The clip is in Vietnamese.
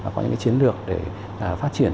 có những chiến lược để phát triển